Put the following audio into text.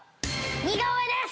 似顔絵です！